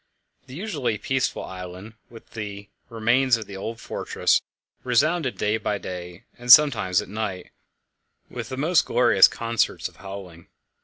The usually peaceful island, with the remains of the old fortress, resounded day by day, and sometimes at night, with the most glorious concerts of howling.